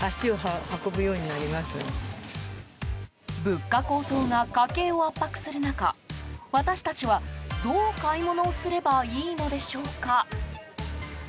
物価高騰が家計を圧迫する中私たちはどう買い物をすればいいのでしょうか？